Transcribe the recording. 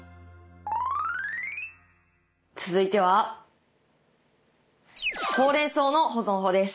続いてはほうれんそうの保存法です。